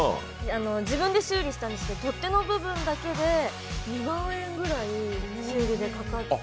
自分で修理したですけど、取っ手の部分だけで２万円ぐらい修理でかかって。